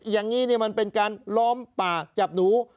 อย่างนี้มันเป็นการล้อมป่าจับหนู